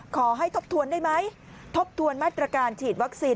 ทบทวนได้ไหมทบทวนมาตรการฉีดวัคซีน